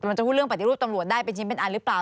มันจะพูดเรื่องปฏิรูปตำรวจได้เป็นชิ้นเป็นอันหรือเปล่า